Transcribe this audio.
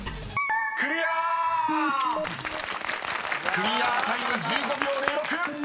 ［クリアタイム１５秒０６］